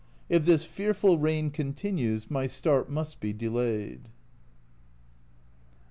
If this fearful rain continues my start must be delayed.